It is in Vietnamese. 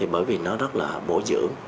bởi vì nó rất là bổ dưỡng